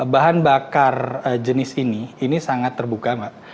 bahan bakar jenis ini sangat terbuka